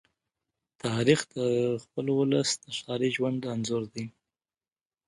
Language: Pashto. تاریخ د خپل ولس د ښاري ژوند انځور دی.